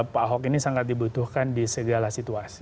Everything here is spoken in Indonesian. pak ahok ini sangat dibutuhkan di segala situasi